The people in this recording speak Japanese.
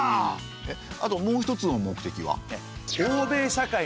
えっあともう一つの目的は？